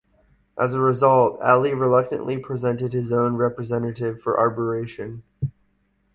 As a result, Ali reluctantly presented his own representative for arbitration.